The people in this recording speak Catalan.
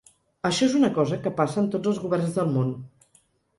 Això és una cosa que passa en tots els governs del món.